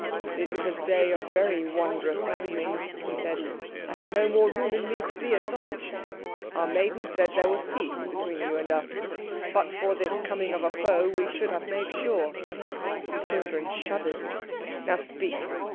"This is a day of very wondrous happenings," he said. "I have no more room in me to be astonished. Our maiden said there was peace between you and us. But for this coming of a foe we should have made sure." The children shuddered. "Now speak.